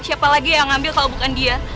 siapa lagi yang ngambil kalau bukan dia